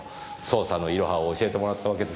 捜査のイロハを教えてもらったわけですか。